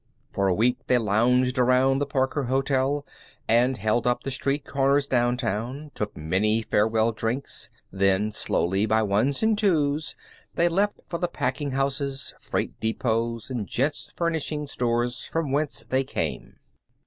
For a week they lounged around the Parker Hotel and held up the street corners downtown, took many farewell drinks, then, slowly, by ones and twos, they left for the packing houses, freight depots, and gents' furnishing stores from whence they came.